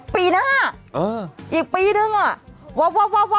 ปีหน้าอีกปีหนึ่งว้าวว้าว